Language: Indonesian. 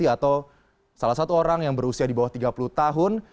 atau salah satu orang yang berusia di bawah tiga puluh tahun